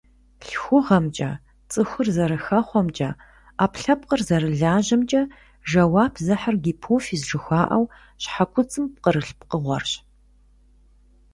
ЛъхугъэмкӀэ, цӀыхур зэрыхэхъуэмкӀэ, Ӏэпкълъэпкъыр зэрылажьэмкӀэ жэуап зыхьыр гипофиз жыхуаӀэу, щхьэкуцӀым пкъырылъ пкъыгъуэрщ.